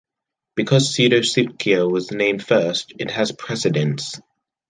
Because Pseudosuchia was named first, it has precedence.